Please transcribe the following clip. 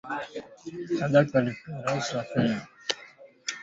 Kadafi alikuwaka raisi wa libya